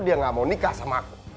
dia gak mau nikah sama aku